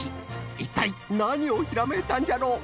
いったいなにをひらめいたんじゃろ？